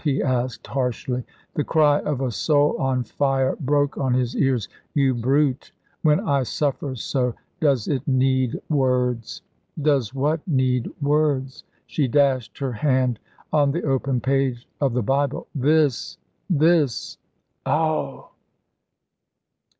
he asked harshly. The cry of a soul on fire broke on his ears. "You brute, when I suffer so! Does it need words?" "Does what need words?" She dashed her hand on the open page of the Bible. "This this!" "Augh!"